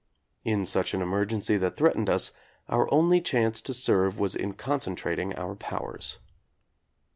In such an emergency that threatened us, our only chance to serve was in concentrating our powers.